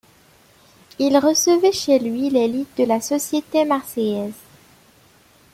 Il recevait chez lui l'élite de la société marseillaise.